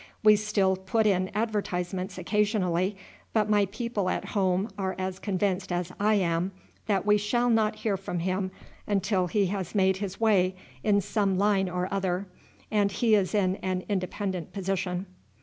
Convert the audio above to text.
We still put in advertisements occasionally, but my people at home are as convinced as I am that we shall not hear from him until he has made his way in some line or other, and he is in an independent position."